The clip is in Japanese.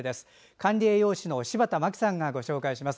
管理栄養士の柴田真希さんがご紹介します。